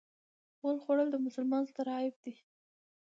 غول خوړل د مسلمان ستر عیب دی.